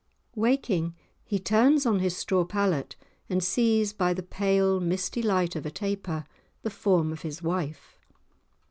Waking, he turns on his straw pallet, and sees, by the pale, misty light of a taper, the form of his wife.